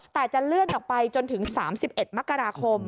แต่จะเลื่อนออกไปจนถึง๓๑มกราคม